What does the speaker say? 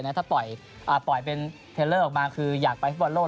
ถ้าปล่อยเป็นเทลเลอร์ออกมาคืออยากไปฟุตบอลโล